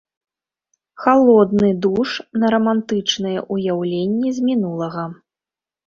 Халодны душ на рамантычныя ўяўленні з мінулага.